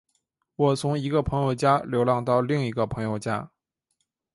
我从一个朋友家流浪到另一个朋友家。